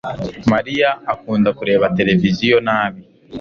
mariya akunda kureba televiziyo nabi